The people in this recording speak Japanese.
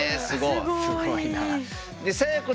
すごいな。